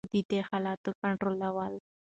نو د دې خيالاتو کنټرول